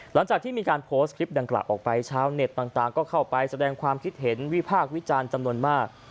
หลังจากที่มีการโพสต์คลิปดังกล่าวออกไปชาวเน็ตต่างก็เข้าไปแสดงความคิดเห็นวิพากษ์วิจารณ์จำนวนมาก